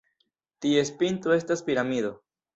Ties pinto estas piramido.